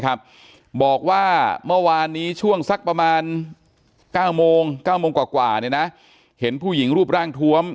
บอกว่าเมื่อวานนี้ช่วงสักประมาณ๙โมง๙โมงกว่าเห็นผู้หญิงรูปร่างทวม